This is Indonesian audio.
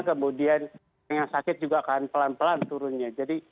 kemudian yang sakit juga akan pelan pelan turunnya